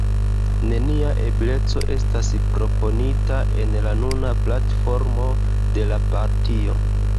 Nenia ebleco estas proponita en la nuna platformo de la partio.